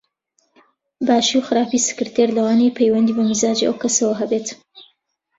باشی و خراپی سکرتێر لەوانەیە پەیوەندی بە میزاجی ئەو کەسەوە هەبێت